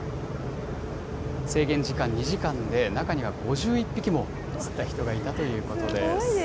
制限時間２時間で、中には５１匹も釣った人がいたということです。